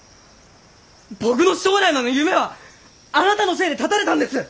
僕の将来の夢はあなたのせいで断たれたんです！